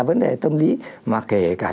vấn đề tâm lý mà kể cả